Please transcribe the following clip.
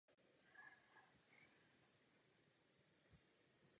Stěny sarkofágu zdobí postavy faraona a různých božstev.